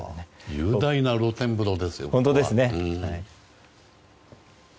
雄大な露天風呂ですね。